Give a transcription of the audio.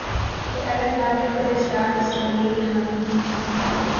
یہ الگ بات کہ خود اسلاف اس رویے کے حامی نہیں تھے۔